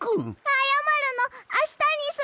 あやまるのあしたにする。